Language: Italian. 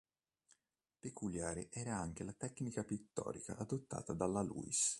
Peculiare era anche la tecnica pittorica adottata dalla Louis.